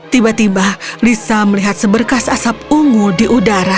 tiba tiba lisa melihat seberkas asap ungu di udara